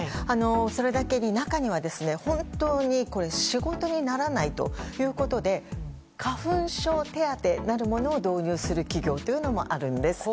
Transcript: それだけに、中には本当に仕事にならないということで花粉症手当なるものを導入する企業もあるんです。